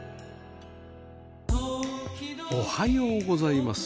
おはようございます。